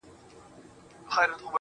نشه ـ نشه يو داسې بله هم سته